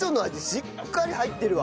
しっかり入ってるわ。